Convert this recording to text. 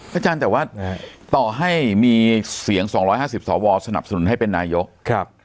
พระจันทรีย์ใช่ไหมต่อให้มีเสี่ยง๒๕๐สตวรสนับสนุนให้เป็นนายก